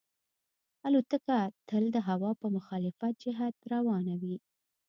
الوتکه تل د هوا په مخالف جهت روانه وي.